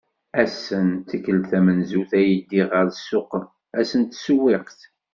Ass-en d tikelt tamenzut ay ddiɣ ɣer ssuq ass n tsewwiqt.